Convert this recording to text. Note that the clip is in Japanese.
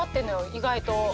意外と。